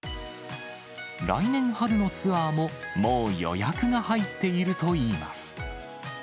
来年春のツアーも、もう予約が入っているといいます。